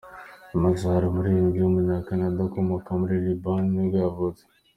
Massari, umuririmbyi w’umunya-Canada ukomoka muri Liban nibwo yavutse.